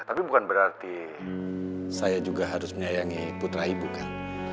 tapi bukan berarti saya juga harus menyayangi putra ibu kan